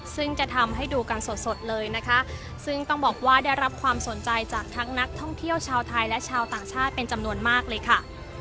ซึ่งจะทำให้ดูกันสดสดเลยนะคะซึ่งต้องบอกว่าได้รับความสนใจจากทั้งนักท่องเที่ยวชาวไทยและชาวต่างชาติเป็นจำนวนมากเลยค่ะ